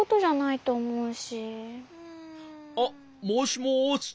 あっもしもし。